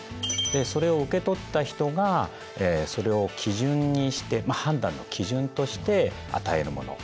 それを受け取った人がそれを判断の基準として与えるもの。